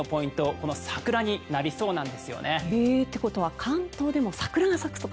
この桜になりそうなんですよね。ということは関東でも桜が咲くとか？